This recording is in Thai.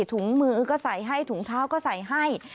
ถุงมือก็ใส่ให้ถุงเท้าก็ใส่ให้